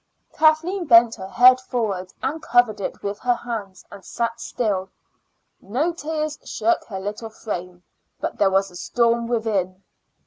Kathleen bent her head forward, covered it with her hands, and sat still. No tears shook her little frame, but there was a storm within.